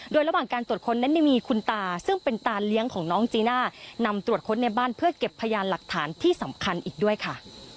โดยระหว่างการตรวจค้นนั้นยังมีคุณตาซึ่งเป็นตาเลี้ยงของน้องจีน่านำตรวจค้นในบ้านเพื่อเก็บพยานหลักฐานที่สำคัญอีกด้วยค่ะ